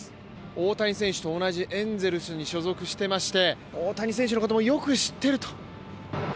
大谷選手と同じエンゼルスに所属していまして大谷選手のこともよく知ってると。